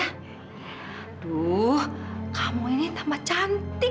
aduh kamu ini nama cantik